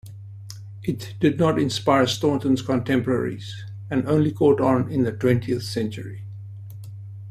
It did not inspire Staunton's contemporaries, and only caught on in the twentieth century.